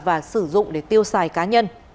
và sử dụng để tiêu xài cá nhân